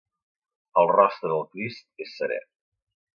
El rostre del Crist és serè.